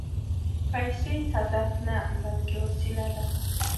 پیسې هدف نه، بلکې وسیله ده